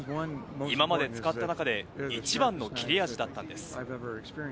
今まで使った中で、一番の切れ味だったんです。